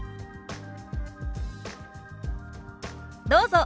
どうぞ。